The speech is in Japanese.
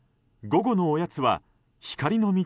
午後のおやつは光の道